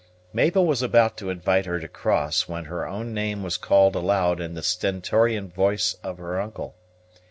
Mabel was about to invite her to cross, when her own name was called aloud in the stentorian voice of her uncle.